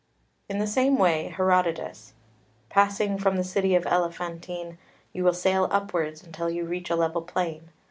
] 2 In the same way Herodotus: "Passing from the city of Elephantine you will sail upwards until you reach a level plain.